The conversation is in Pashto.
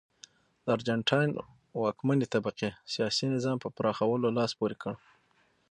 د ارجنټاین واکمنې طبقې سیاسي نظام په پراخولو لاس پورې کړ.